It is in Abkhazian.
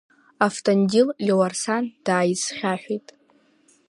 Автандил Леуарсан дааизхьаҳәит.